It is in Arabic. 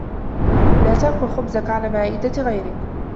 لا تأكل خبزك على مائدة غيرك